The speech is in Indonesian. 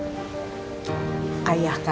ayah kamu yang penderita